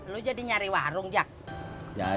tapi nyari warungnya dah dalam rumah